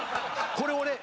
これ俺。